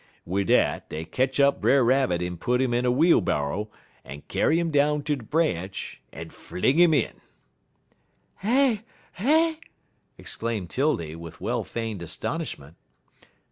"Wid dat, dey ketch up Brer Rabbit en put 'im in a wheelborrow en kyar 'im down ter de branch, en fling 'im in." "Eh eh!" exclaimed 'Tildy, with well feigned astonishment.